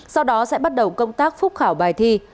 sau đó sẽ bắt đầu công tác phúc khảo bài thi